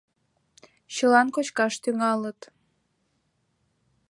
Чылан кочкаш тӱҥалыт.